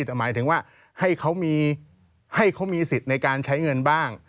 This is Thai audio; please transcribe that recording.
หมายถึงว่าให้เขามีสิทธิ์ในการใช้เงินบ้าง